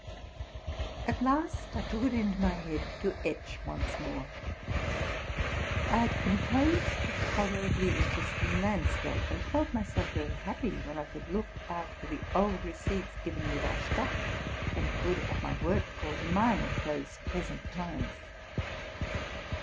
At last I took it into my head to etch once more. I had composed a tolerably interesting landscape, and felt my self very happy when I could look out for the old receipts given me by Stock, and could, at my work, call to mind those pleasant times.